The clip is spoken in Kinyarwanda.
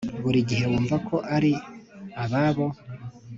buri gihe wumva ko ari ababo?